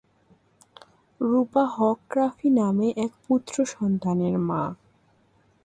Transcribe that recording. রূপা হক রাফি নামে এক পুত্র সন্তানের মা।